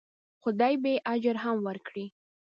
خدای به یې اجر هم ورکړي.